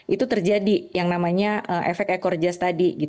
itu terjadi yang namanya efek ekorjas tadi